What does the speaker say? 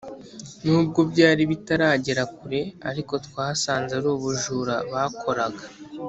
nubwo byari bitaragera kure ariko twasanze ari ubujura bakoraga